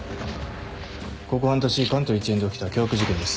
ここ半年関東一円で起きた凶悪事件です。